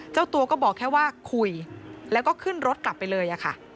เจ้าตัวก็บอกแค่ว่าคุยแล้วก็ขึ้นรถกลับไปเลยค่ะ